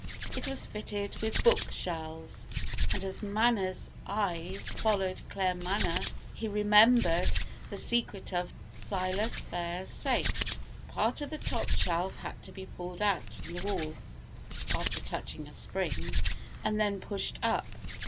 It was fitted with bookshelves; and as Manners' eyes followed Claremanagh he remembered the secret of Silas Phayre's safe. Part of the top shelf had to be pulled out from the wall (after touching a spring) and then pushed up.